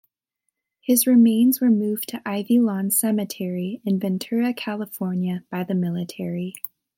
His remains were moved to Ivy Lawn Cemetery in Ventura, California by the military.